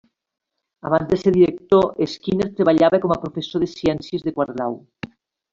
Abans de ser director, Skinner treballava com a professor de ciències de quart grau.